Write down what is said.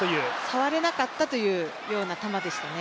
触れなかったというような球でしたね。